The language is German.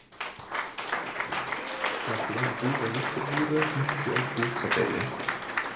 Nachdem die Burg errichtet wurde, diente sie als Burgkapelle.